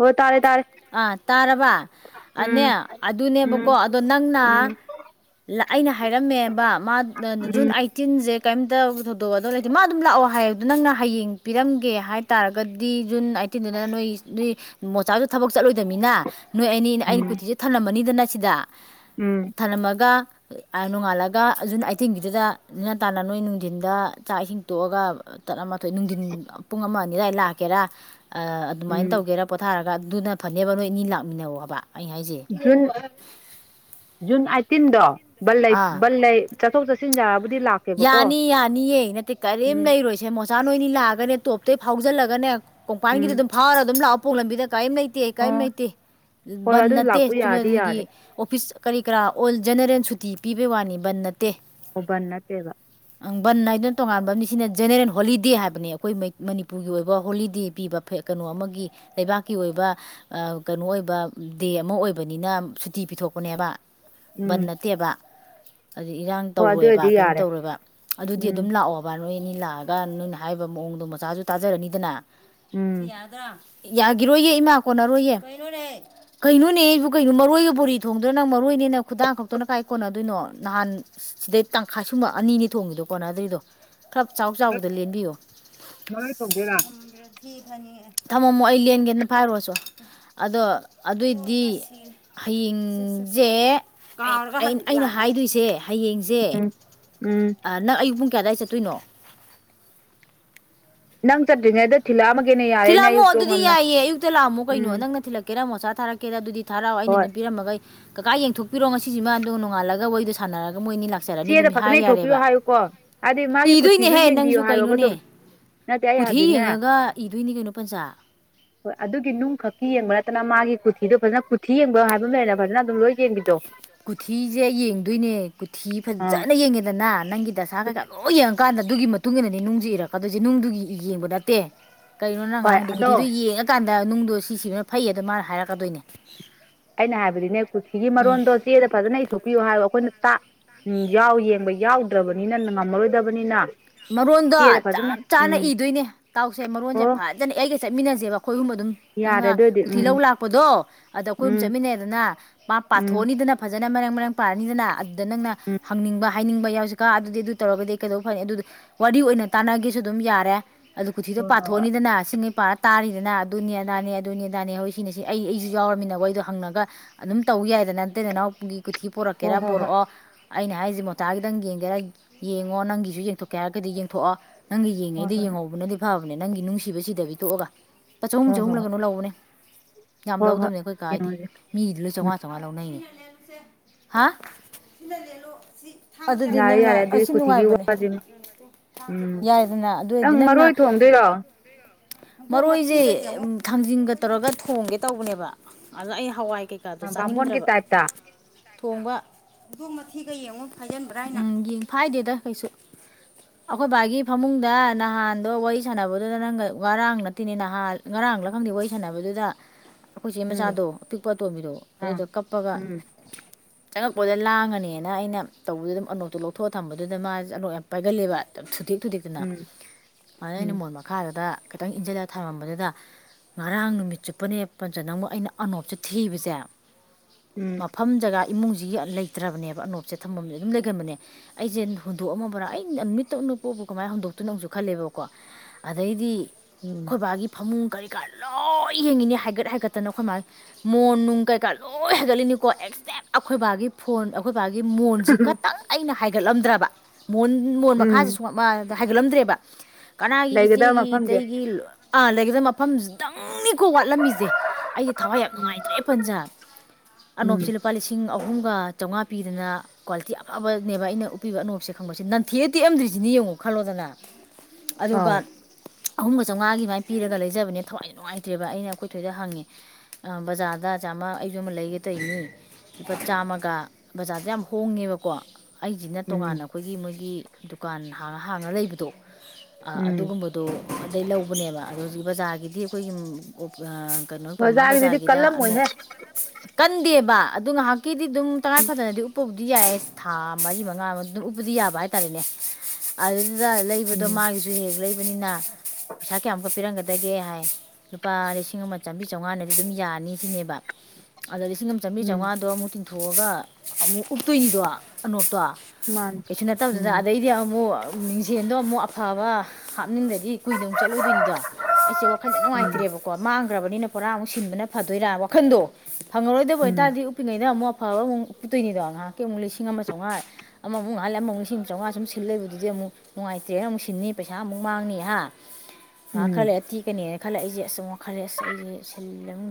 ꯍꯣ ꯇꯥꯏ ꯑꯥ ꯇꯥꯔꯕꯅꯦ ꯎꯝ ꯑꯗꯨꯅꯦꯕꯀꯣ ꯎꯝ ꯑꯗꯣ ꯅꯪꯅ ꯎꯝ ꯑꯩꯅ ꯍꯥꯏꯔꯝꯃꯦꯕꯕꯥ ꯃꯥ ꯖꯨꯟ ꯎꯝ ꯑꯠ ꯇꯤꯟꯁꯦ ꯀꯩꯝꯇ ꯊꯧꯗꯣꯛ ꯑꯗꯨ ꯂꯩꯇꯦ ꯃꯥ ꯑꯗꯨꯝ ꯂꯥꯛꯑꯣ ꯍꯥꯏꯗꯣ ꯅꯪꯅ ꯍꯌꯦꯡ ꯄꯤꯔꯝꯒꯦ ꯍꯥꯏ ꯇꯥꯔꯒꯗꯤ ꯖꯨꯟ ꯇꯤꯟꯗꯨꯗꯅ ꯅꯣꯏ ꯅꯣꯏ ꯃꯣꯆꯥꯗꯨꯁꯨ ꯊꯕꯛ ꯆꯠꯂꯣꯏꯗꯕꯃꯤꯅ ꯅꯣꯏ ꯑꯅꯤꯅ ꯎꯝ ꯑꯩꯅ ꯀꯨꯇꯤꯁꯦ ꯊꯜꯂꯝꯃꯅꯤꯗꯅ ꯁꯤꯗ ꯎꯝ ꯊꯝꯂꯝꯃꯒ ꯅꯣꯡꯉꯥꯜꯂꯒ ꯖꯨꯟ ꯑꯥꯏꯇꯤꯟꯒꯤꯗꯨꯗ ꯑꯗꯨ ꯅꯦ ꯇꯥꯟꯅ ꯅꯣꯏ ꯅꯨꯡꯊꯤꯟꯗ ꯆꯥꯛ ꯏꯁꯤꯡ ꯇꯣꯛꯑꯒ ꯇꯔꯥ ꯃꯥꯥꯊꯣꯏ ꯅꯨꯡꯗꯤꯟ ꯄꯨꯡ ꯑꯃ ꯑꯅꯤꯗꯥꯏ ꯂꯥꯛꯀꯦꯔꯥ ꯑꯗꯨꯃꯥꯏꯅ ꯎꯝ ꯇꯧꯒꯦꯔꯥ ꯄꯣꯊꯥꯔꯒ ꯑꯗꯨꯅ ꯐꯅꯦꯕ ꯅꯣꯏ ꯑꯅꯤ ꯂꯥꯛꯃꯤꯟꯅꯧ ꯍꯥꯏꯕ ꯑꯩ ꯍꯥꯏꯁꯦ ꯖꯨꯟ ꯖꯨꯟ ꯑꯥꯏꯠꯇꯤꯟꯗꯣ ꯕꯟ ꯂꯩ ꯑꯥ ꯕꯟ ꯂꯩ ꯆꯠꯊꯣꯛ ꯆꯠꯁꯤꯟ ꯌꯥꯔꯕꯨꯗꯤ ꯂꯥꯛ꯫ ꯌꯥꯅꯤ ꯌꯥꯅꯤꯌꯦ ꯅꯠꯇꯦ ꯀꯔꯤꯝ ꯂꯩꯔꯣꯏꯁꯦ ꯃꯣꯆꯥ ꯅꯣꯏꯅꯤ ꯂꯥꯛꯑꯒꯅꯦ ꯇꯣꯞꯇ ꯐꯥꯎꯖꯤꯜꯂꯒꯅꯦ ꯎꯝ ꯀꯣꯡꯄꯥꯟꯒꯤꯗꯤ ꯑꯗꯨꯝ ꯐꯥꯎꯔꯒ ꯑꯗꯨꯝ ꯂꯥꯛꯑꯣꯄꯣ ꯂꯝꯕꯤꯗ ꯀꯔꯤꯝ ꯂꯩ ꯅꯠꯇꯦ ꯀꯔꯤꯝ ꯑꯣ ꯂꯩꯇꯦ ꯍꯣꯏ ꯕꯟ ꯑꯗꯨ ꯅꯠꯇꯦ ꯂꯥꯛꯄ ꯌꯥꯗꯤ ꯆꯨꯝꯅꯗꯒꯤ ꯌꯥꯔꯦ ꯑꯣꯐꯤꯁ ꯀꯔꯤ ꯀꯔꯥ ꯑꯣꯜ ꯖꯦꯅꯔꯦꯜ ꯁꯨꯇꯤ ꯄꯤꯕꯩ ꯋꯥꯅꯤ ꯕꯟ ꯅꯠꯇꯦ ꯑꯣ ꯕꯟ ꯅꯠꯇꯦꯕ ꯕꯟ ꯍꯥꯏꯅꯥꯗꯨꯅ ꯇꯣꯉꯥꯟꯕꯅꯤꯁꯤꯅ ꯖꯦꯅꯦꯔꯦꯜ ꯍꯣꯂꯤꯗꯦ ꯍꯥꯏꯕꯅꯤ ꯑꯩꯈꯣꯏ ꯃꯩ ꯃꯅꯤꯄꯨꯔꯒꯤ ꯑꯣꯏꯕ ꯍꯣꯂꯤꯗꯦ ꯄꯤꯕ ꯀꯩꯅꯣ ꯑꯃꯒꯤ ꯂꯩꯕꯥꯛꯀꯤ ꯑꯣꯏꯕ ꯀꯩꯅꯣ ꯑꯣꯏꯕ ꯗꯦ ꯑꯃ ꯑꯣꯏꯕꯅꯤꯅ ꯁꯨꯇꯤ ꯄꯤꯊꯣꯛꯄꯅꯦꯕ ꯎꯝ ꯕꯟ ꯅꯠꯇꯦꯕ ꯍꯥꯏꯗꯤ ꯏꯔꯥꯡ ꯍꯣꯏ ꯑꯗꯨ ꯇꯧꯔꯦꯕ ꯑꯣꯏꯗꯤ ꯀꯩ ꯌꯥꯔꯦ ꯇꯧꯔꯣꯢꯕ ꯑꯗꯨꯗꯤ ꯎꯝ ꯑꯗꯨꯝ ꯂꯥꯛꯑꯣꯕ ꯅꯣꯏ ꯑꯅꯤ ꯂꯥꯛꯑꯒ ꯅꯣꯏꯅ ꯍꯥꯏꯔꯤꯕ ꯃꯑꯣꯡꯗꯣ ꯃꯣꯆꯥꯁꯨ ꯇꯥꯖꯔꯅꯤꯗꯅ ꯎꯝ ꯌꯥꯗ꯭ꯔꯥ ꯌꯥꯈꯤꯔꯣꯏꯌꯦ ꯏꯃꯥ ꯀꯣꯟꯅꯔꯣꯏꯌꯦ ꯀꯩꯅꯣꯅꯦ ꯀꯩꯅꯣꯅꯦ ꯑꯩꯕꯨ ꯀꯩꯅꯣ ꯃꯔꯣꯏꯒ ꯕꯣꯔꯤ ꯊꯣꯡꯗꯣꯏꯣ ꯅꯪ ꯃꯔꯣꯏꯅꯦ ꯅꯪ ꯈꯨꯗꯥꯡ ꯈꯛꯇꯅ ꯀꯥꯏ ꯀꯣꯟꯅꯗꯣꯏꯅꯣ ꯅꯍꯥꯟ ꯁꯤꯗꯩ ꯇꯪꯈꯥꯏ ꯁꯨꯝꯕ ꯑꯅꯤ ꯊꯣꯡꯉꯤꯗꯣ ꯀꯣꯅꯗꯔꯤꯗꯣ ꯈꯞ ꯆꯥꯎ ꯆꯥꯎꯕꯗ ꯂꯦꯟꯕꯤꯌꯣ ꯃꯔꯣꯏ ꯊꯣꯡꯗꯣꯏꯔꯥ [unintelligible] ꯍꯌꯦꯡꯖꯦ ꯑꯩ ꯑꯩꯅ ꯍꯥꯏꯗꯣꯏꯖꯦ ꯍꯌꯦꯡꯖꯦ ꯎꯝ ꯅꯪ ꯑꯌꯨꯛ ꯄꯨꯡ ꯀꯗꯥꯏ ꯆꯠꯇꯣꯏꯅꯣ ꯅꯪ ꯆꯠꯇꯔꯤ ꯉꯩꯗ ꯊꯤꯜꯂꯛ ꯑꯃꯒꯦꯅꯦ ꯊꯤꯜꯂꯛꯑꯃꯣ ꯑꯗꯨꯗꯤ ꯌꯥꯏꯌꯦ ꯑꯌꯨꯛꯇ ꯂꯥꯛꯑꯝꯃꯣ ꯀꯩꯅꯣ ꯎꯝ ꯅꯪ ꯊꯤꯜꯂꯛ ꯀꯦꯔ ꯃꯣꯆꯥ ꯊꯔꯛꯀꯗ ꯑꯗꯨꯗꯤ ꯊꯔꯛꯑꯣ ꯑꯩꯅ ꯍꯣꯏ ꯑꯗꯨꯝ ꯄꯤꯔꯝꯒ ꯀꯀꯥ ꯌꯦꯡꯊꯣꯛꯄꯤꯔꯣ ꯉꯁꯤꯁꯤꯃꯗꯨ ꯅꯣꯡꯉꯜꯂꯒ ꯋꯥꯔꯤꯗꯣ ꯁꯅꯔꯒ ꯃꯣꯏꯅꯤ ꯂꯥꯛ ꯂꯥꯛꯆꯔꯅꯤ ꯆꯦꯗ ꯑꯗꯨꯝ ꯐꯖꯅ ꯍꯥꯏ ꯏꯊꯣꯛꯄꯤꯌꯣ ꯌꯥꯔꯦꯕ ꯍꯥꯏꯌꯨꯀꯣ ꯍꯥꯏꯗꯤ ꯃꯥꯒꯤ ꯀꯨꯊꯤꯁꯨ ꯏꯗꯣꯏꯅꯦꯍꯦ ꯌꯦꯡꯕꯤꯌꯣ ꯅꯪꯁꯨ ꯍꯥꯏꯌꯣꯕ ꯑꯗꯨꯝ ꯀꯩꯅꯣꯅꯦ ꯅꯠꯇꯦ ꯑꯩ ꯀꯨꯊꯤ ꯍꯥꯏꯕꯗꯤꯅꯦ ꯌꯦꯡꯉꯒ ꯏꯗꯣꯏꯅꯤ ꯀꯩꯅꯣ ꯄꯟꯆꯥ [unintelligible] ꯍꯣꯏ ꯑꯗꯨꯒꯤ ꯅꯨꯡꯈꯛꯀꯤ ꯌꯦꯡꯕ ꯅꯠꯇꯅ ꯃꯥꯒꯤ ꯀꯨꯊꯤꯗꯣ ꯐꯖꯅ ꯀꯨꯊꯤ ꯌꯦꯡꯕꯣ ꯍꯥꯏꯕ ꯑꯃ ꯂꯩꯅ ꯐꯖꯅ ꯑꯗꯨꯝ ꯂꯣꯏ ꯌꯦꯡꯕꯤꯗꯣ ꯀꯨꯊꯤꯖꯦ ꯌꯦꯡꯗꯣꯏꯅꯦ ꯀꯨꯊꯤ ꯑꯥ ꯐꯖꯅ ꯌꯦꯡꯉꯦꯗꯅ ꯅꯪꯒꯤ ꯗꯁꯥ ꯀꯩꯀꯥ ꯂꯣꯏ ꯌꯦꯡ ꯀꯥꯟꯗ ꯑꯗꯨꯒꯤ ꯃꯇꯨꯡ ꯏꯟꯅꯅꯦ ꯅꯨꯡꯁꯦ ꯏꯔꯛꯀꯗꯣꯏꯁꯦ ꯅꯨꯡꯗꯨꯒꯤ ꯌꯦꯡꯕ ꯅꯠꯇꯦ ꯀꯔꯤꯅꯣ ꯅꯪ ꯍꯣꯏ ꯑꯉꯥꯡꯗꯣ ꯑꯗꯣ ꯀꯨꯊꯤꯗꯣ ꯌꯦꯡꯉꯀꯥꯟꯗ ꯅꯨꯡꯗꯣ ꯁꯤꯁꯤꯕꯅ ꯐꯩꯗꯣ ꯃꯥꯅ ꯍꯥꯏꯔꯛꯀꯗꯣꯏꯅꯦ ꯑꯩꯅ ꯍꯥꯏꯕꯗꯤꯅꯦ ꯀꯨꯊꯤꯒꯤ ꯎꯝ ꯃꯔꯣꯟꯗꯣ ꯆꯦꯗ ꯐꯖꯅ ꯊꯣꯛꯄꯤꯌꯨ ꯍꯥꯏ ꯑꯩꯈꯣꯏꯅ ꯇꯥꯛ ꯎꯝ ꯌꯥꯎ ꯌꯦꯡꯕ ꯌꯥꯎꯗ꯭ꯔꯕꯅꯤꯅ ꯉꯝꯃꯔꯣꯏꯗꯕꯅꯤꯅ ꯃꯔꯣꯟꯗꯣ ꯆꯦꯗ ꯐꯖꯅ ꯆꯞ ꯆꯥꯅ ꯎꯝ ꯏꯗꯣꯏꯅꯦ ꯇꯥꯎꯁꯦ ꯃꯔꯣꯟꯁꯦ ꯑꯣ ꯐꯥ ꯐꯖꯅ ꯑꯩꯒ ꯆꯠꯃꯤꯟꯅꯁꯦꯕ ꯑꯩꯈꯣꯏꯍꯨꯝꯕ ꯑꯗꯨꯝ ꯌꯥꯔꯦ ꯅꯪꯅ ꯑꯗꯨꯑꯣꯏꯗꯤ ꯀꯨꯊꯤ ꯎꯝ ꯂꯧ ꯂꯥꯛꯄꯗꯣ ꯑꯗ ꯑꯩꯈꯣꯏ ꯑꯍꯨꯝ ꯎꯝ ꯆꯠꯃꯤꯟꯅꯩꯗꯅ ꯃꯥ ꯎꯝ ꯄꯥꯊꯣꯛꯑꯅꯤꯗꯅ ꯐꯖꯅ ꯃꯔꯥꯡ ꯃꯔꯥꯡ ꯄꯥꯔꯅꯤꯗꯅ ꯑꯗꯨꯗ ꯅꯪꯅ ꯎꯝ ꯍꯪꯅꯤꯡꯕ ꯍꯥꯏꯅꯤꯡꯕ ꯌꯥꯎꯁꯤ ꯀꯥ ꯑꯗꯨꯗꯤ ꯑꯗꯨ ꯇꯧꯔꯒꯗꯤ ꯀꯩꯗꯧꯕ ꯐꯅꯤ ꯑꯗꯨ ꯋꯥꯔꯤ ꯑꯣꯏꯅ ꯇꯥꯟꯅꯒꯁꯨ ꯑꯗꯨꯝ ꯌꯥꯔꯦ ꯑꯗꯨ ꯀꯨꯊꯤꯗꯣ ꯍꯣꯏ ꯄꯥꯊꯣꯛꯑꯅꯤꯗꯅ ꯁꯤꯡꯉꯩ ꯄꯥꯔ ꯇꯥꯔꯤꯗꯅ ꯑꯗꯨꯅꯤ ꯑꯗꯥꯅꯦ ꯑꯗꯨꯅꯤ ꯑꯗꯥꯅꯦ ꯍꯧꯖꯤ ꯁꯤꯅ ꯁꯤ ꯑꯩ ꯑꯩꯁꯨ ꯌꯥꯎꯔꯝꯃꯤꯅꯕ ꯋꯔꯤꯗꯣ ꯍꯪꯉꯒ ꯑꯗꯨꯝ ꯇꯧ ꯌꯥꯏꯗꯅ ꯅꯠꯇꯦ ꯅꯅꯥꯎꯒꯤ ꯀꯊꯤ ꯄꯣꯔꯛꯀꯦꯔꯥ ꯍꯣꯏ ꯍꯣꯏ ꯍꯣꯏ ꯍꯣꯏ ꯄꯣꯔꯛꯑꯣ ꯑꯩꯅ ꯍꯥꯏꯔꯤꯁꯦ ꯃꯣꯆꯥꯒꯤꯗꯪ ꯌꯦꯡꯒꯦꯔꯥ ꯌꯦꯡꯉꯣ ꯅꯪꯒꯤꯁꯨ ꯌꯦꯡꯊꯣꯛꯀꯦ ꯍꯥꯏꯔꯒꯗꯤ ꯌꯦꯡꯊꯣꯛꯑꯣ ꯅꯪꯒꯤ ꯍꯣꯏ ꯍꯣꯏ ꯌꯦꯡꯉꯩꯗ ꯍꯣꯏ ꯌꯦꯡꯍꯧꯕꯅꯗꯤ ꯐꯕꯅꯦ ꯅꯪꯒꯤ ꯅꯨꯡꯁꯤꯕꯁꯤꯗꯕꯤ ꯇꯣꯛꯑꯒ ꯂꯨꯄꯥ ꯆꯍꯨꯝ ꯍꯣꯏ ꯆꯍꯨꯝꯂ ꯍꯣꯏ ꯅꯩꯅꯣ ꯂꯧꯕꯅꯦ ꯌꯥꯝ ꯍꯣꯏ ꯍꯣꯏ ꯂꯧꯗꯕꯅꯦ ꯑꯩꯈꯣꯏ ꯀꯥꯥꯒꯤꯗꯤ ꯌꯦꯡꯉꯁꯦ ꯃꯤꯒꯤꯗꯤ ꯂꯣꯏ ꯎꯝ ꯆꯧꯉꯥ ꯆꯧꯉꯥ ꯂꯧꯅꯩꯅꯦ ꯍꯥ ꯑꯗꯨꯗꯤ ꯌꯥꯔꯦ ꯅꯪꯅ ꯌꯥꯔꯦ ꯑꯗꯨꯗꯤ ꯑꯁꯤ ꯀꯨꯊꯤꯒꯤ ꯅꯨꯡꯉꯥꯏꯕꯅꯦ ꯋꯥꯁꯤꯃ ꯎꯝ ꯌꯥꯏꯗꯅ ꯑꯗꯨ ꯅꯪ ꯑꯣꯏꯔꯗꯤ ꯅꯪꯅ ꯃꯔꯣꯏ ꯊꯣꯡꯗꯣꯏꯔꯣ ꯃꯔꯣꯏꯁꯦ ꯊꯥꯡꯖꯤꯟꯒ ꯇꯧꯔꯒ ꯊꯣꯡꯒꯦ ꯇꯧꯕꯅꯦꯕ ꯑꯗꯣ ꯑꯩ ꯍꯋꯥꯏ ꯀꯩꯀꯩ ꯕꯥꯝꯕꯣꯟꯒꯤ ꯇꯥꯏꯠꯞꯇꯥ ꯊꯣꯡꯕ ꯍꯧꯗꯣꯡ ꯃꯊꯤꯒ ꯌꯦꯡꯉ ꯐꯟꯕ꯭ꯔꯥ ꯅ ꯐꯥꯏꯗꯦꯗ ꯀꯩꯁꯨ ꯑꯩꯈꯣꯏ ꯕꯥꯏꯒꯤ ꯐꯃꯨꯡꯗ ꯅꯍꯥꯟꯗꯣ ꯋꯥꯔꯤ ꯁꯥꯟꯅꯕꯗꯨꯗ ꯅꯪ ꯉꯥꯔꯥꯡ ꯅꯠꯇꯦꯅꯦ ꯅꯍꯥꯟ ꯉꯔꯥꯡꯂ ꯈꯪꯗꯦ ꯋꯥꯔꯤ ꯁꯥꯟꯅꯕꯗꯨꯗ [inaudible] ꯑꯩꯈꯣꯏ ꯆꯦ ꯃꯆꯥꯗꯣ ꯑꯄꯤꯛꯄ ꯑꯇꯣꯝꯕꯤꯗꯣ ꯑꯥ ꯑꯗꯨꯗꯣ ꯀꯞꯄꯒ ꯎꯝ ꯆꯪꯉꯛꯄꯗ ꯂꯥꯡꯉꯅꯦꯅ ꯑꯩꯅ ꯇꯧꯕꯗ ꯑꯗꯨꯝ ꯑꯅꯣꯛꯇꯣ ꯂꯧꯊꯣꯛꯑ ꯊꯝꯕꯗꯨꯗ ꯃꯥꯁꯦ ꯆꯂꯣꯛ ꯌꯥꯝ ꯄꯥꯏꯒꯜꯂꯦꯕ ꯊꯨꯗꯦꯛ ꯊꯨꯗꯦꯛꯇꯅ ꯎꯝ ꯑꯗꯨ ꯑꯩꯅ ꯎꯝ ꯃꯣꯟ ꯃꯈꯥꯗꯨꯗ ꯈꯤꯇꯪ ꯏꯟꯁꯤꯜꯂꯒ ꯊꯝꯃꯝꯕꯗꯨꯗ ꯉꯔꯥꯡ ꯅꯨꯃꯤꯠ ꯆꯨꯞꯄꯅꯦ ꯄꯟꯖ ꯅꯪꯕꯨ ꯑꯃꯨꯛ ꯑꯩꯅ ꯑꯅꯣꯞꯁꯦ ꯊꯤꯕꯁꯦ ꯎꯝ ꯃꯐꯝ ꯖꯒꯥ ꯏꯃꯨꯡꯁꯤꯒꯤ ꯂꯩꯇ꯭ꯔꯕꯅꯦꯕ ꯑꯅꯣꯞꯁꯦ ꯊꯝꯐꯝꯁꯦ ꯑꯗꯨꯝ ꯂꯩꯒꯟꯕꯅꯦ ꯑꯩꯁꯦ ꯍꯨꯟꯗꯣꯛꯑꯃꯕ꯭ꯔꯥ ꯑꯩꯩꯅ ꯅꯨꯃꯤꯠꯇ ꯎꯄꯛꯞ ꯄꯣꯛꯄꯨ ꯀꯃꯥꯏꯅ ꯍꯧꯟꯗꯣꯛꯇꯨꯏꯅꯣ ꯑꯃꯨꯛꯁꯨ ꯈꯜꯂꯦꯕꯀꯣ ꯑꯗꯩꯗꯤ ꯎꯝ ꯑꯩꯈꯣꯏ ꯕꯥꯒꯤ ꯐꯃꯨꯡ ꯀꯔꯤ ꯀꯔ ꯂꯣꯏ ꯌꯦꯡꯉꯤꯅꯤ ꯍꯥꯏꯒꯠ ꯍꯥꯏꯒꯠꯇꯅ ꯑꯩꯈꯣꯏ ꯃꯥꯒꯤ ꯃꯣꯟ ꯅꯨꯡ ꯀꯩꯀꯥ ꯂꯣꯏ ꯍꯥꯏꯒꯠꯂꯤꯅꯤꯀꯣ ꯑꯦꯛꯖꯦꯛ ꯑꯩꯈꯣꯏ ꯕꯥꯒꯤ ꯐꯣꯟ ꯑꯩꯈꯣꯏ ꯕꯥꯒꯤ ꯃꯣꯟꯁꯤ ꯈꯛꯇꯪ ꯑꯩꯅ ꯍꯥꯏꯒꯠꯂꯝꯗ꯭ꯔꯕ ꯃꯣꯟ ꯃꯣꯟ ꯃꯈꯥꯁꯦ ꯎꯝ ꯁꯨꯝ ꯃꯥꯗ ꯍꯥꯏꯒꯠꯂꯝꯗ꯭ꯔꯦꯕ ꯀꯅꯥꯒꯤ ꯂꯩꯒꯗꯕ ꯏꯆꯦꯒꯤ ꯃꯐꯝꯁꯦ ꯏꯇꯩꯒꯤ ꯑꯥ ꯂꯩꯒꯗ ꯃꯐꯝꯁꯤꯇꯪꯅꯤꯀꯣ ꯋꯥꯠꯂꯝꯃꯤꯁꯦ ꯑꯩꯁꯦ ꯊꯋꯥꯏ ꯌꯥꯝ ꯎꯝ ꯅꯨꯡꯉꯥꯏꯇ꯭ꯔꯦ ꯄꯟꯁ ꯑꯅꯣꯞꯁꯤ ꯎꯝ ꯂꯨꯄꯥ ꯂꯤꯁꯤꯡ ꯑꯍꯨꯝꯒ ꯆꯥꯝꯃꯉꯥ ꯄꯤꯗꯅ ꯀ꯭ꯋꯥꯂꯤꯇꯤ ꯑꯐꯕꯅꯦꯕ ꯑꯩꯅ ꯎꯞꯄꯤꯕ ꯑꯅꯣꯛꯞꯁꯦ ꯅꯟꯊꯦꯛꯑ ꯇꯦꯛꯑꯝꯗ꯭ꯔꯤꯁꯤꯅꯦ ꯌꯦꯡꯉꯣ ꯈꯜꯂꯣꯗꯅ ꯑꯗꯨꯒ ꯑꯥꯎ ꯑꯍꯨꯝꯒ ꯆꯥꯝꯃꯉꯥ ꯑꯗꯨꯃꯥꯏ ꯄꯤꯔꯒ ꯂꯩꯖꯕꯅꯦ ꯊꯋꯥꯏ ꯅꯨꯡꯉꯥꯏꯇ꯭ꯔꯦꯕ ꯑꯩꯅ ꯑꯩꯈꯣꯏ ꯊꯣꯏꯗ ꯍꯪꯉꯦ ꯑ ꯕꯖꯥꯔꯗ ꯆꯥꯝꯃ ꯑꯩ ꯖꯨ ꯑꯃ ꯂꯩꯒꯦ ꯇꯔꯤꯅꯤ ꯂꯨꯄꯥ ꯆꯥꯝꯃꯒ ꯕꯖꯥꯔꯗ ꯌꯥꯝ ꯍꯣꯡꯉꯦꯕꯀꯣ ꯑꯩꯁꯤꯅ ꯎꯝ ꯇꯣꯉꯥꯟꯅ ꯑꯩꯈꯣꯏꯒꯤ ꯃꯣꯏꯒꯤ ꯗꯨꯀꯥꯟ ꯍꯥꯡꯉ ꯍꯥꯡꯉ ꯂꯩꯕꯗꯣ ꯎꯝ ꯑꯗꯨꯒꯨꯝꯕꯗ ꯑꯣ ꯑꯗꯩ ꯂꯧꯕꯅꯦꯕ ꯑꯗꯣ ꯍꯧꯖꯤꯛ ꯕꯖꯥꯔꯒꯤꯗꯤ ꯑꯩꯈꯣꯏꯒꯤ ꯀꯩꯅꯣ ꯄꯥꯎꯅꯥ ꯑꯣꯖꯥꯒꯤꯗꯨꯗꯤ ꯕꯖꯥꯔꯒꯤꯗ ꯑꯃꯨꯛ ꯀꯜꯂꯝꯃꯣꯏꯍꯦ ꯀꯟꯗꯦꯕ ꯑꯗꯨ ꯉꯥꯏꯍꯥꯛ ꯀꯤꯗꯤ ꯑꯗꯨꯝ ꯇꯉꯥꯏ ꯐꯗꯅꯗꯤ ꯎꯄꯕꯨꯗꯤ ꯌꯥꯏ ꯊꯥ ꯃꯔꯤ ꯃꯉꯥ ꯑꯗꯨꯝ ꯕꯨꯗꯤ ꯌꯥꯕ ꯍꯥꯏꯇꯥꯔꯦꯅꯦ ꯑꯗꯨꯗꯨꯗ ꯂꯩꯕꯗꯣ ꯎꯝ ꯃꯥꯒꯤꯁꯨ ꯍꯦꯛ ꯂꯩꯕꯅꯤꯅ ꯄꯩꯁꯥ ꯀꯌꯥꯃꯨꯛꯀ ꯄꯤꯔꯝꯒꯗꯒꯦ ꯍꯥꯏ ꯂꯨꯄꯥ ꯂꯤꯁꯤꯡ ꯑꯃ ꯆꯥꯝꯔꯤ ꯆꯥꯝꯃꯉꯥꯗꯗꯤ ꯑꯗꯨꯝ ꯌꯥꯅꯤ ꯁꯤꯅꯦꯕ ꯑꯗꯣ ꯂꯤꯁꯤꯡ ꯆꯥꯝꯃꯔꯤ ꯎꯝ ꯆꯥꯝꯃꯉꯥꯗꯣ ꯑꯃꯨꯛ ꯇꯤꯡꯊꯣꯛꯑꯒ ꯑꯃꯨꯛ ꯎꯞꯇꯣꯏꯅꯤꯗꯣ ꯑꯅꯣꯛꯇꯣ ꯃꯥꯅꯤ ꯀꯩꯁꯨ ꯅꯠꯇꯕꯗꯨꯗ ꯎꯝ ꯑꯗꯩꯗꯤ ꯑꯃꯨꯛ ꯃꯤꯡꯁꯦꯜꯗꯣ ꯑꯃꯨꯛ ꯑꯐꯕ ꯍꯥꯞꯅꯤꯡꯗꯗꯤ ꯀꯨꯏꯅ ꯆꯠꯂꯣꯏꯗꯣꯏꯅꯤꯗꯣ ꯑꯩꯁꯦ ꯋꯥꯈꯟꯗ ꯎꯝ ꯅꯨꯡꯉꯥꯏꯇ꯭ꯔꯦꯕꯀ ꯀꯣ ꯃꯥꯡꯈ꯭ꯔꯕꯅꯤꯅ ꯄꯨꯔꯥ ꯑꯃꯨꯛ ꯁꯤꯟꯕꯅ ꯐꯗꯣꯏꯔꯥ ꯋꯥꯈꯟꯗꯣ ꯐꯪꯉꯔꯣꯏꯗꯕ ꯎꯝ ꯑꯣꯏꯇꯥꯔꯗꯤ ꯎꯞꯄꯤꯉꯩꯩꯗ ꯑꯃꯨꯛ ꯑꯐꯕ ꯑꯃꯨꯛ ꯄꯨꯇꯨꯏꯅꯤꯗꯣ ꯉꯥꯏꯍꯥꯛꯀꯤ ꯑꯃꯨꯛ ꯂꯤꯁꯤꯡ ꯑꯃ ꯆꯥꯝꯃꯉꯥ ꯑꯃꯨꯛꯍꯂ ꯑꯃꯨꯛ ꯂꯤꯁꯤꯡ ꯆꯥꯝꯃꯉꯥ ꯁꯨꯝ ꯁꯤꯜ ꯂꯩꯕꯗꯨꯗꯤ ꯑꯃꯨꯛ ꯅꯨꯡꯉꯥꯏꯇ꯭ꯔꯦ ꯑꯃꯨꯛ ꯁꯤꯟꯅꯤ ꯄꯩꯁꯥ ꯑꯃꯨꯛ ꯃꯥꯡꯅꯤ ꯍꯥ ꯉꯥꯏꯍꯥꯛ ꯎꯝ ꯈꯔ ꯂꯩꯔ ꯇꯦꯛꯀꯅꯤꯅ ꯈꯜꯂꯛ ꯑꯩꯁꯦꯁꯨꯝ ꯋꯥꯈꯜꯂꯦ ꯑꯁ ꯑꯩꯁꯦ ꯁꯤꯜ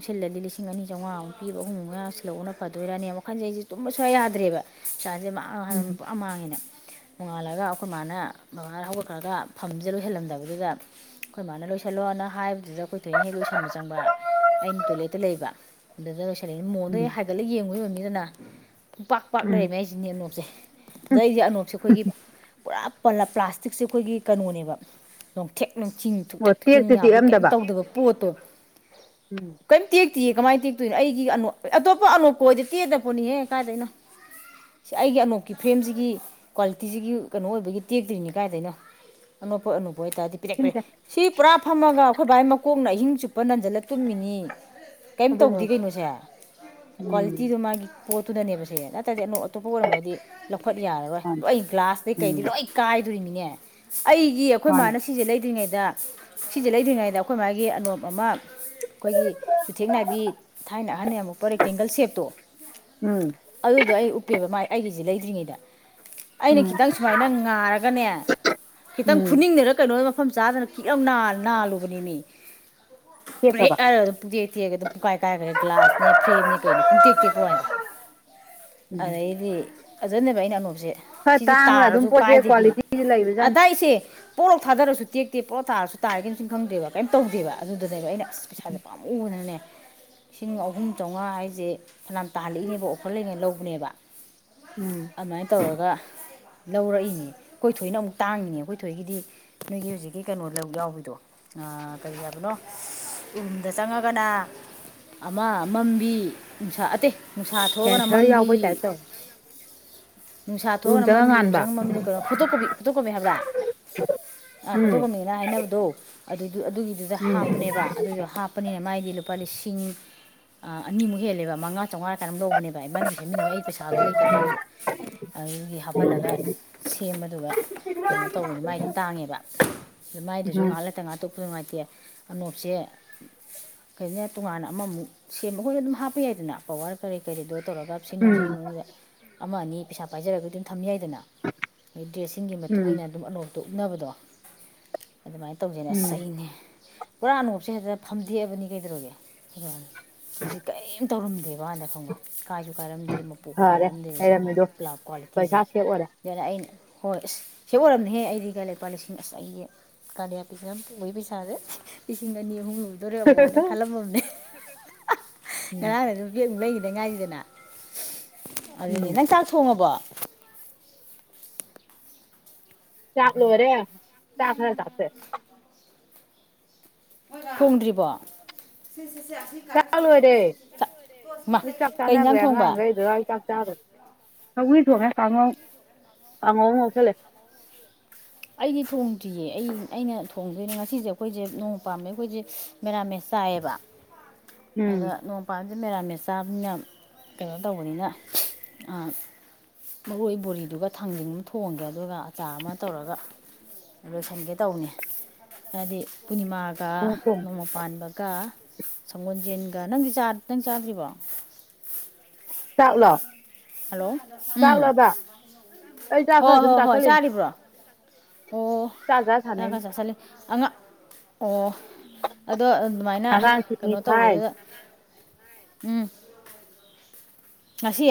ꯁꯤꯜꯂꯗꯤ ꯂꯤꯁꯤꯡ ꯑꯅꯤꯥꯆꯝꯃꯉꯃꯨꯛ ꯄꯤꯕ ꯑꯍꯨꯝꯃꯨꯛ ꯁꯤꯜꯂꯧꯕꯅ ꯐꯗꯣꯏꯔꯅꯤ ꯋꯥꯈꯟꯁꯦ ꯑꯩꯁꯦ ꯇꯨꯝꯕ ꯁꯨꯛꯌꯥ ꯌꯥꯗ꯭ꯔꯦꯕ ꯄꯩꯁꯥꯁꯦ ꯎꯝ ꯎꯝ ꯄꯨꯔꯥ ꯃꯥꯡꯉꯦꯅ ꯅꯣꯡꯉꯥꯜꯂꯒ ꯑꯩꯈꯣꯏ ꯃꯥꯅ ꯕꯕꯥꯅ ꯍꯧꯒꯠꯈ꯭ꯔꯒ ꯐꯝꯁꯤ ꯂꯣꯏꯍꯜꯂꯝꯗꯕꯗꯨꯗ ꯑꯩꯈꯣꯏ ꯃꯥꯅ ꯂꯣꯏꯁꯤꯜꯂꯣꯅ ꯍꯥꯏꯕꯗꯨꯗ ꯑꯩꯈꯣꯏ ꯊꯣꯏꯅ ꯍꯦꯛ ꯂꯣꯏꯁꯟꯕ ꯆꯪꯕ ꯑꯩꯅ ꯇꯣꯏꯂꯦꯠꯇ ꯂꯩꯕ ꯑꯗꯨꯗ ꯂꯣꯏꯁꯤꯜꯂꯤꯉꯩ ꯎꯝ ꯃꯣꯟꯗꯣꯍꯦꯛ ꯍꯥꯏꯒꯠꯂ ꯌꯦꯡꯉꯨꯏ ꯑꯣꯏꯝꯅꯤꯗꯅ ꯄꯨꯡꯄꯥꯛ ꯄꯥꯛ ꯎꯝ ꯂꯩꯔꯝꯃꯦ ꯍꯥꯏꯖꯤꯅꯦ ꯑꯅꯣꯞꯁꯦ ꯑꯗ ꯑꯩꯖꯤ ꯑꯅꯣꯞꯁꯦ ꯑꯩꯈꯣꯏꯒꯤ ꯄꯨꯔꯥ ꯄꯜꯂ ꯄ꯭ꯂꯥꯁꯇꯤꯛꯁꯦ ꯑꯩꯈꯣꯏꯒꯤ ꯀꯩꯅꯣꯅꯦꯕ ꯅꯣꯡꯊꯦꯛ ꯅꯨꯡꯆꯤꯡ ꯑꯣ ꯊꯨꯞꯇꯦꯛ ꯊꯦꯛꯆꯤꯟ ꯇꯦꯛꯇꯤ ꯌꯥꯕꯤ ꯀꯦꯝ ꯇꯦꯛꯑꯝꯗꯕ ꯇꯧꯗꯕ ꯄꯣꯠꯇꯣ ꯎꯝ ꯀꯩꯝ ꯇꯦꯛꯇꯤꯌꯦ ꯀꯃꯥꯏ ꯇꯦꯛꯇꯣꯏꯅꯣ ꯑꯩꯒꯤ ꯑꯅꯣ ꯑꯇꯣꯞꯄ ꯑꯅꯣꯛꯄ ꯑꯣꯏꯗꯤ ꯇꯦꯑꯗꯄꯣꯠꯅꯤꯍꯦ ꯀꯥꯏꯗꯩꯅꯣ ꯁꯤ ꯑꯩꯒꯤ ꯑꯅꯣꯛ ꯀꯤ ꯐ꯭ꯔꯦꯝꯖꯤꯒꯤ ꯀ꯭ꯋꯥꯂꯤꯇꯤꯖꯤꯒꯤ ꯀꯩꯅꯣ ꯑꯣꯏꯕꯒꯤ ꯇꯦꯛꯇ꯭ꯔꯤꯅꯤ ꯀꯥꯏꯗꯩꯅꯣ ꯑꯅꯣꯄ ꯑꯅꯣꯄ ꯑꯣꯏꯇꯥꯗꯤ ꯄꯤꯔꯛꯈ꯭ꯔꯦ ꯁꯤꯝꯁꯦ ꯁꯤ ꯄꯨꯔꯥ ꯐꯝꯃꯒ ꯑꯩꯈꯣꯏ ꯕꯥꯏ ꯃꯀꯣꯛꯅ ꯑꯍꯤꯡ ꯆꯨꯞꯄ ꯅꯟꯖꯜꯂ ꯇꯨꯝꯃꯤꯅꯤ ꯀꯩꯝ ꯑꯗꯨꯅꯦ ꯇꯧꯗꯦ ꯀꯩꯅꯣ ꯁꯦ ꯎꯝ ꯀ꯭ꯋꯥꯂꯤꯇꯤꯗꯣ ꯃꯥꯒꯤ ꯄꯣꯠꯇꯨꯗꯅꯦꯕ ꯁꯦ ꯅꯠꯇꯗꯤ ꯑꯅꯣꯛ ꯑꯇꯣꯞꯄ ꯑꯣꯏꯔꯝꯃꯗꯤ ꯂꯧꯈꯠ ꯌꯥꯔꯔꯣꯏ ꯃꯥꯅꯤ ꯂꯣꯏ ꯒ꯭ꯂꯥꯁꯇꯩꯩ ꯎꯝ ꯀꯩꯗꯩ ꯂꯣꯏ ꯀꯥꯏꯗꯣꯔꯤꯃꯤꯅꯦ ꯑꯩꯒꯤ ꯑꯩꯈꯣꯏ ꯃꯥꯅꯤ ꯃꯥꯅ ꯁꯤꯖꯦ ꯂꯩꯗ꯭ꯔꯤꯉꯩꯗ ꯁꯤꯖꯦ ꯂꯩꯗ꯭ꯔꯤꯉꯩꯗ ꯑꯩꯈꯣꯏ ꯃꯥꯒꯤ ꯑꯅꯣꯞ ꯑꯃ ꯑꯩꯈꯣꯏꯒꯤ ꯆꯨꯊꯦꯛ ꯅꯥꯏꯕꯤ ꯊꯥꯏꯅ ꯑꯍꯟꯅ ꯌꯥꯝ ꯎꯞꯄ ꯔꯦꯛꯇꯦꯡꯒꯜ ꯁꯦꯞꯇꯣ ꯎꯝ ꯑꯗꯨꯗꯣ ꯑꯩ ꯎꯞꯄꯦꯕ ꯃꯥꯏ ꯑꯩꯒꯤꯖꯦ ꯂꯩꯗ꯭ꯔꯤꯉꯩꯗ ꯑꯩꯅ ꯎꯝ ꯈꯤꯇꯪ ꯁꯨꯃꯥꯏꯅ ꯉꯥꯔꯒꯅꯦ ꯈꯤꯇꯪ ꯎꯝ ꯈꯨꯅꯤꯡꯅꯔ ꯀꯩꯅꯣ ꯃꯐꯝ ꯆꯥꯗꯅ [unintelligible] ꯅꯥꯜꯂꯨ ꯅꯥꯜꯂꯨꯕꯅꯦꯃꯤ ꯄ꯭ꯔꯦꯛ ꯇꯦꯛꯈ꯭ꯔꯕ ꯍꯥꯏꯔꯒ ꯄꯨꯡꯇꯦꯛ ꯇꯦꯛꯑꯒ ꯑꯗꯨꯝ ꯄꯨꯀꯥꯏ ꯀꯥꯏꯒ꯭ꯔꯦ ꯒ꯭ꯂꯥꯁꯅꯦ ꯐ꯭ꯔꯦꯝꯅꯦ ꯀꯩꯩꯅꯦ ꯄꯨꯡꯇꯦꯛ ꯇꯦꯛꯄ ꯋꯥꯟꯗ [unintelligible] ꯎꯝ ꯑꯗꯩꯗꯤ ꯑꯗꯩꯅꯦꯕ ꯑꯩꯅ ꯑꯅꯣꯞꯖꯦ ꯈꯔ ꯁꯤꯗꯤ ꯇꯥꯡꯕꯅ ꯑꯗꯨꯝ ꯇꯥꯔꯖꯨ ꯄꯣꯠꯁꯦ ꯀꯥꯏꯗꯕꯤ ꯀ꯭ꯋꯥꯂꯤꯇꯤꯗꯤ ꯂꯩꯕꯖꯥꯠꯅꯤ ꯑꯇꯩꯁꯦ ꯄꯣꯛꯂꯥꯎ ꯊꯥꯗꯔꯁꯨ ꯇꯦꯛꯇꯦ ꯄꯣꯛꯔꯥ ꯇꯥꯔꯁꯨ ꯇꯥꯌꯦꯒꯩ ꯃꯁꯤꯡ ꯈꯪꯗ꯭ꯔꯦꯕ ꯀꯩꯝ ꯇꯧꯗꯦꯕ ꯑꯗꯨꯗꯅꯦꯕ ꯑꯩꯅ ꯑꯁ ꯄꯩꯁꯥꯖꯦ ꯄꯥꯝꯃꯨꯕꯅꯅꯦ ꯂꯤꯁꯤꯡ ꯑꯍꯨꯝ ꯆꯧꯉꯥ ꯍꯥꯏꯖꯦ ꯐꯅꯌꯥꯝ ꯇꯥꯍꯜꯂꯛꯏꯅꯦꯕ ꯑꯣꯐꯔ ꯂꯩꯉꯩ ꯂꯧꯕꯅꯦꯕ ꯎꯝ ꯑꯗꯨꯃꯥꯏꯟ ꯇꯧꯔꯒ ꯂꯧꯔꯛꯏꯅꯦ ꯑꯩꯈꯣꯏ ꯊꯣꯏꯅ ꯑꯃꯨꯛ ꯇꯥꯡꯉꯤꯅꯦ ꯑꯩꯈꯣꯏ ꯊꯣꯏꯒꯤꯗꯤ ꯅꯣꯏꯒꯤ ꯍꯨꯖꯤꯛꯀꯤ ꯀꯩꯅꯣ ꯂꯧ ꯌꯥꯎꯕꯤꯗꯣ ꯑ ꯀꯔꯤ ꯍꯥꯏꯕꯅꯣ ꯎꯨꯝꯗ ꯆꯪꯉꯒꯅ ꯑꯃ ꯃꯝꯕꯤ ꯅꯨꯡꯁꯥ ꯑꯠꯇꯦ ꯅꯨꯡꯁꯥ ꯊꯣꯛꯑꯒꯅ ꯁꯦꯟꯁꯔ ꯃꯝꯕꯤ ꯌꯥꯎꯕꯩ ꯇꯥꯏꯞ ꯇꯧꯋꯦ ꯅꯨꯡꯁꯥ ꯔꯨꯝ ꯊꯣꯛꯑꯅ ꯃꯝꯕꯤ ꯎꯔꯨꯝ ꯉꯥꯟꯕ ꯆꯪꯉ ꯃꯝꯕꯤꯗꯣ ꯀꯩꯅꯣ ꯐꯨꯇꯣꯀꯣꯄꯤ ꯐꯨꯇꯣꯀꯣꯄꯤ ꯍꯥꯏꯕ꯭ꯔꯥ ꯑ ꯎꯝ ꯐꯣꯇꯣꯀꯣꯃꯤꯅ ꯍꯥꯏꯅꯕꯗꯣ ꯑꯗꯨꯗꯨ ꯑꯗꯨꯒꯤꯗꯨꯗ ꯎꯝ ꯍꯥꯞꯄꯅꯦꯕ ꯑꯗꯨꯗ ꯍꯥꯞ ꯄꯅꯦ ꯃꯥꯏꯗꯤ ꯂꯨꯄꯥ ꯂꯤꯁꯤꯡ ꯑꯅꯤꯃꯨꯛ ꯍꯦꯜꯂꯦꯕ ꯃꯉꯥ ꯆꯧꯉꯥꯔ ꯀꯌꯥꯅꯣꯝ ꯂꯧ ꯑꯣꯅꯦꯕꯥꯏ ꯏꯃꯥꯅꯤꯒꯤ ꯁꯦꯝꯃꯤꯟꯅꯔꯨꯔ ꯑꯩ ꯄꯩꯁꯥꯗ ꯂꯩ ꯇꯕ ꯑꯩꯖꯨ ꯑꯗꯨꯒꯤ ꯍꯥꯞꯐꯜꯂꯒ ꯁꯦꯝꯕꯗꯨꯒ ꯀꯩꯅꯣ ꯇꯧꯕꯅꯤ ꯃꯥꯏꯗꯤ ꯇꯥꯡꯉꯦꯕ ꯃꯥꯏꯗꯨꯖꯨ ꯎꯝ ꯉꯥꯏꯍꯥꯛ ꯂꯩꯇ ꯉꯥꯏꯍꯥꯛꯇ ꯅꯨꯡꯉꯥꯏꯇꯦ ꯑꯅꯣꯞꯁꯦ ꯐꯩꯅꯦ ꯇꯣꯉꯥꯟꯅ ꯑꯃꯃꯨꯛ ꯁꯦꯝꯕ ꯍꯣꯏ ꯑꯗꯨꯝ ꯍꯥꯞꯄ ꯌꯥꯏꯗꯅ ꯄꯋꯥꯔ ꯀꯔꯤ ꯀꯔꯤꯗꯣ ꯇꯧꯔꯒ ꯁꯦꯝꯅꯤꯡ ꯁꯦꯝꯅꯤꯡ ꯎꯝ ꯃꯑꯣꯡꯗ ꯑꯃ ꯑꯅꯤ ꯄꯩꯁꯥ ꯄꯥꯏꯖꯔꯒ ꯗꯨꯝ ꯊꯝ ꯌꯥꯏꯗꯅ [unintelligible] ꯗ꯭ꯔꯦꯁꯁꯤꯡꯒꯤ ꯃꯇꯨꯡ ꯎꯝ ꯏꯟꯅ ꯑꯗꯨꯝ ꯑꯅꯣꯛꯇꯣ ꯎꯞꯅꯕꯗꯣ ꯑꯗꯨꯃꯥꯏ ꯇꯧꯗꯅ ꯑꯁ ꯎꯝ ꯑꯩꯅꯦ ꯄꯨꯔꯥ ꯑꯅꯣꯞꯁꯦ ꯍꯦꯛꯇ ꯐꯝꯗꯦꯛꯑꯕꯅꯤ ꯀꯩꯗꯧꯔꯒꯦ ꯃꯁꯤ ꯀꯦꯝ ꯇꯧꯔꯝꯗꯦꯕ ꯍꯥꯟꯅ ꯈꯪꯕ ꯀꯥꯏꯖꯨ ꯀꯥꯏꯔꯝꯗꯦ ꯃꯄꯨ ꯐꯔꯦ ꯂꯩꯔꯝꯃꯤꯗꯣ ꯄꯩꯁꯥ ꯁꯦꯞ ꯑꯣꯏꯔꯦ ꯑꯗꯨꯅꯦ ꯑꯩꯅ ꯍꯣꯏ ꯏꯁ ꯁꯦꯞ ꯑꯣꯏꯔꯝꯅꯦꯍꯦ ꯑꯩꯗꯤ ꯀꯥꯏ ꯂꯨꯄꯥ ꯂꯤꯁꯤꯡ ꯑꯁ ꯑꯩꯒꯤ ꯀꯥꯗꯤꯌꯥ ꯄꯩꯁꯥ ꯄꯨꯕꯩ ꯄꯩꯁꯥꯖꯦ ꯂꯤꯁꯤꯡ ꯑꯅꯤꯍꯨꯝ ꯂꯣꯏ ꯗꯣꯔꯦ ꯑꯃꯨꯛ ꯑꯅ ꯈꯜꯂꯝꯃꯝꯅꯦ ꯍꯥ ꯎꯝ ꯉꯔꯥꯡꯅ ꯗꯨ ꯕꯦꯛ ꯑꯃꯨꯛ ꯂꯩꯒꯤꯗ ꯉꯥꯏꯔꯤꯗꯅ ꯑꯗꯨꯅꯦ ꯎꯝ ꯅꯪ ꯆꯥꯛ ꯊꯣꯡꯉꯕꯣ ꯆꯥꯥꯛ ꯂꯣꯏꯔꯦ ꯆꯥꯛ ꯈꯔ ꯆꯥꯊꯣꯛꯑꯦ ꯊꯣꯡꯗ꯭ꯔꯤꯕꯣ [unintelligible] ꯆꯥꯛ ꯂꯣꯏꯔꯦ ꯃꯥ ꯃꯤ ꯆꯥꯛ ꯀꯩ ꯌꯦꯟꯖꯥꯡ ꯆꯥꯅꯒ꯭ꯔꯦ ꯊꯣꯡꯕ ꯑꯉꯥꯡꯒꯩ ꯗꯗꯥꯏ ꯆꯥꯛ ꯆꯥꯕꯅꯤ ꯊꯧꯏ ꯊꯣꯡꯉꯦ ꯀꯥꯡꯉꯧ ꯀꯥꯡꯉꯧ ꯉꯧꯁꯜꯂꯦ ꯑꯩꯗꯤ ꯊꯣꯡꯗ꯭ꯔꯤꯌꯦ ꯑꯩ ꯑꯩꯅ ꯊꯣꯡꯗꯣꯏꯅꯦ ꯉꯁꯤꯁꯦ ꯑꯩꯈꯣꯏꯁꯦ ꯅꯣꯡꯃ ꯄꯥꯝꯕꯗꯩ ꯑꯩꯈꯣꯏꯁꯦ ꯃꯦꯔꯥꯃꯦꯁ ꯆꯥꯏꯌꯦꯕ [unintelligible] ꯑꯗ ꯎꯝ ꯅꯣꯡ ꯄꯥꯟꯕꯁꯦ ꯃꯦꯔꯥꯃꯦꯦꯠ ꯆꯥꯕꯅꯤꯅ ꯀꯩꯅꯣ ꯇꯧꯕꯅꯤꯅ ꯃꯔꯣꯏ ꯕꯣꯔꯤꯗꯨꯒ ꯊꯥꯡꯖꯡ ꯑꯃ ꯊꯣꯡꯒꯦ ꯑꯗꯨꯒ ꯑꯆꯥ ꯑꯃ ꯇꯧꯔꯒ ꯂꯣꯏꯁꯤꯟꯒꯦ ꯇꯧꯅꯤ ꯍꯥꯏꯗꯤ ꯄꯨꯔꯅꯤꯃꯥꯒ ꯊꯣꯡꯉꯦ ꯅꯃꯥ ꯄꯥꯟꯕꯒ ꯁꯪꯒꯣꯜꯖꯦꯟꯒ [unintelligible] ꯅꯪꯗꯤ ꯅꯪ ꯆꯥꯗ꯭ꯔꯤꯕꯣ ꯆꯥꯛꯂꯣ ꯍꯜꯂꯣ ꯎꯝ ꯆꯥꯛꯂꯣꯕ ꯑꯩ ꯆꯥꯛ ꯍꯣꯏ ꯈꯔ ꯁꯨꯝ ꯍꯣꯏ ꯍꯣꯏ ꯆꯥꯁꯜꯂꯤꯅꯤ ꯆꯥꯔꯤꯕ꯭ꯔꯣ ꯑꯣ ꯆꯥꯛ ꯆꯥ ꯆꯥꯛꯀ ꯁꯥꯟꯅꯩꯅꯤ ꯆꯥꯠꯁꯜꯂꯤ ꯑꯉꯥꯡ ꯑꯣ ꯑꯗꯣ ꯑꯗꯨꯃꯥꯏꯅ ꯑꯉꯥꯡ ꯁꯨꯇꯤ ꯀꯩꯅꯣ ꯊꯥꯏ ꯇꯧꯕꯗꯨꯗ ꯎꯝ ꯉꯁꯤ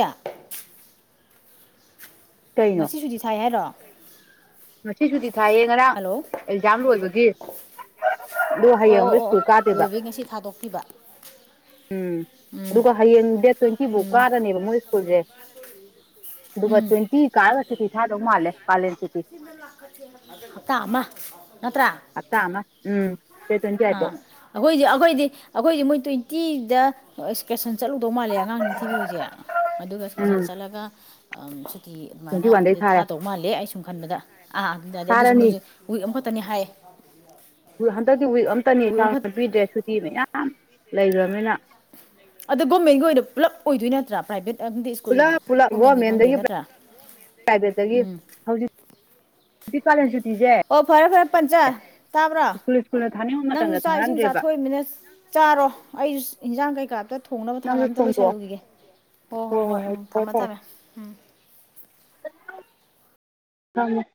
ꯀꯩꯅꯣ ꯉꯁꯤꯁꯨꯇꯤ ꯊꯥꯏ ꯍꯥꯏꯔꯣ ꯉꯁꯤ ꯁꯨꯇꯤ ꯊꯥꯏꯌꯦ ꯉꯔꯥꯡ ꯍꯜꯂꯣ ꯑꯦꯛꯖꯥꯝ ꯂꯣꯏꯕꯒꯤ ꯑꯗꯨꯒ ꯑꯣ ꯍꯌꯦꯡ ꯑꯣ ꯑꯃꯨꯛ ꯑꯣ ꯏꯁ꯭ꯀꯨꯜ ꯀꯥꯗꫭꯏꯕ ꯂꯣꯏꯕꯩ ꯉꯁꯤ ꯊꯥꯗꯣꯛꯄꯤꯕ ꯎꯝ ꯑꯗꯨꯒ ꯍꯌꯦꯡ ꯗꯦꯠ ꯇ꯭ꯋꯦꯟꯇꯤ ꯕꯨꯛ ꯎꯝ ꯀꯥꯔꯅꯦꯕ ꯃꯣꯏ ꯏꯁ꯭ꯀꯨꯜꯁꯦ ꯑꯗꯨꯒ ꯎꯝ ꯇ꯭ꯋꯦꯟꯇꯤ ꯀꯥꯔꯒ ꯁꯨꯇꯤ ꯊꯥꯗꯧ ꯃꯥꯜꯂꯦ ꯀꯥꯂꯦꯟ ꯁꯨꯇꯤ ꯂꯥꯛ [unintelligible] ꯍꯞꯇꯥ ꯑꯃ ꯅꯠꯇ꯭ꯔꯥ ꯍꯞꯇꯥ ꯑꯃ ꯎꯝ ꯗꯦꯠ ꯇ꯭ꯋꯦꯟꯇꯤ ꯑꯩꯠꯄꯧ ꯑꯥ ꯑꯩꯈꯣꯏꯗꯤ ꯑꯩꯈꯣꯏꯗꯤ ꯑꯩꯈꯣꯏꯗꯤ ꯃꯣꯏ ꯇ꯭ꯋꯦꯟꯇꯤꯗ ꯑ‌ꯦꯛꯀꯔꯁꯟ ꯆꯠꯂꯨꯗꯧ ꯃꯥꯜꯂꯦ ꯑꯉꯥꯡ ꯅꯤꯡꯊꯤꯕꯤ ꯍꫭꯏꯗꯤ ꯑꯗꯨꯒ ꯑꯦꯁꯀꯔꯁꯟ ꯎꯝ ꯆꯠꯂꯒ ꯀꯤ ꯇ꯭ꯋꯦꯟꯇꯤ ꯑꯗꯨꯃꯥꯏꯅ ꯋꯥꯟꯗꯩ ꯑꯗꯩ ꯊꯥꯔꯦ ꯊꯥꯗꯧ ꯃꯥꯜꯂꯦ ꯑꯩ ꯁꯨꯝ ꯈꯟꯕꯗ ꯑꯥ ꯑꯗꯨ ꯑꯗꯨꯁꯨ ꯊꯥꯔꯅꯤ ꯃꯣꯏꯁꯨ ꯋꯤꯛ ꯑꯃꯈꯛꯇꯅꯤ ꯍꯥꯏꯌꯦ ꯍꯟꯗꯛꯇꯤ ꯋꯤꯛ ꯑꯝꯇꯅꯤ ꯋꯤꯛ ꯑꯃꯈꯛ ꯁꯥꯡꯅ ꯄꯤꯗ꯭ꯔꯦ ꯁꯨꯇꯤ ꯃꯌꯥꯝ ꯂꯩꯈ꯭ꯔꯕꯅꯤꯅ ꯑꯗꯣ ꯒꯣꯔꯃꯦꯟꯒꯤ ꯑꯣꯏꯅ ꯄꯨꯂꯞ ꯑꯣꯏꯗꯣꯏ ꯅꯠꯇ꯭ꯔꯥ ꯄ꯭ꯔꯥꯏꯕꯦꯠ ꯗꯤ ꯏꯁ꯭ꯀꯨꯜ ꯄꯨꯂꯞ ꯄꯨꯂꯞ ꯒꯣꯔꯃꯦꯟꯒꯤ ꯈꯪꯗꯦ ꯒꯣꯔꯃꯦꯟꯗꯒꯤ ꯅꯠꯇ꯭ꯔꯥ ꯎꯝ [inaudible] ꯁꯤ ꯀꯥꯂꯦꯟ ꯁꯨꯇꯤꯁꯦ ꯑꯣ ꯐꯔꯦ ꯐꯔꯦ ꯄꯟꯆꯥ ꯇꯥꯕ꯭ꯔꯣ ꯏꯁ꯭ꯀꯨꯜ ꯏꯁ꯭ꯀꯨꯜꯅ ꯊꯥꯅꯤꯡꯉꯕ ꯅꯪꯁꯨ ꯃꯇꯝꯗ ꯆꯥꯛ ꯏꯁꯤꯡ ꯊꯥꯍꯟꯗ꯭ꯔꯦꯕ ꯆꯥꯊꯣꯛꯣꯏ ꯃꯤꯅ ꯆꯥꯔꯣ ꯑꯩꯁꯨ ꯏꯟꯖꯥꯡ ꯀꯩꯀꯥ ꯥꯝꯇ ꯊꯣꯡꯅꯕ ꯊꯥꯡꯅ ꯅꯪꯁꯨ ꯑꯝꯇ ꯊꯣꯡꯗꯣꯛꯑꯣ ꯂꯣꯏꯁꯜꯂꯨꯈꯤꯒꯦ ꯍꯣ ꯍꯣ ꯍꯣꯏ ꯎꯝ ꯊꯝꯃꯦ ꯊꯝꯃꯦ ꯎꯝ ꯑ [unintelligible]